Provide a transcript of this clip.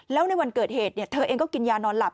แล้วในวันเกิดเหตุเธอเองก็กินยานอนหลับ